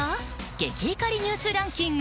ゲキ怒りニュースランキング！